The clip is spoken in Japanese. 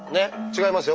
違います。